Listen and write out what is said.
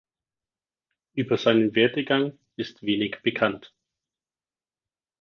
Über seinen Werdegang ist wenig bekannt.